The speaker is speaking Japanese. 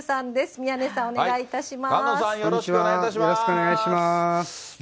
宮根さん、お願いいたします。